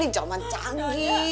ini jaman canggih